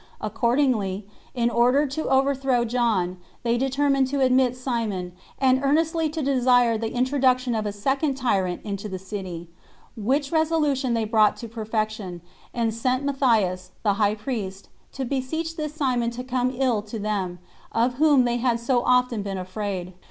Accordingly, in order to overthrow John, they determined to admit Simon, and earnestly to desire the introduction of a second tyrant into the city; which resolution they brought to perfection, and sent Matthias, the high priest, to beseech this Simon to come in to them, of whom they had so often been afraid.